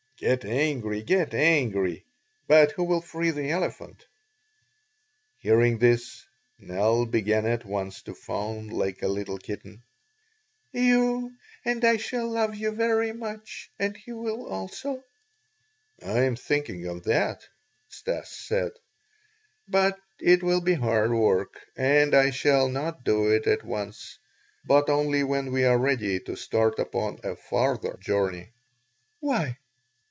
"Get angry, get angry, but who will free the elephant?" Hearing this, Nell began at once to fawn like a little kitten. "You and I shall love you very much and he will also." "I am thinking of that," Stas said, "but it will be hard work and I shall not do it at once, but only when we are ready to start upon a farther journey." "Why?"